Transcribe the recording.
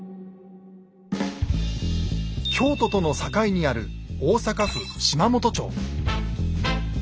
京都との境にある大阪府島本町。